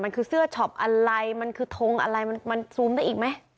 มันคือเสื้อช็อปอะไรมันคือทงอะไรมันซูมได้อีกไหม